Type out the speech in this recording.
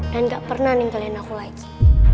dan ga pernah ninggalin aku lagi